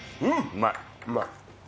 うまい。